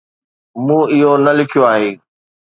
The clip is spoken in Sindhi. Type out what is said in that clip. مون اهو نه لکيو آهي